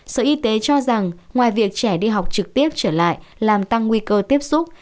sở y tế cho rằng ngoài việc trẻ đi học trực tiếp trở lại làm tăng nguy cơ tiếp xúc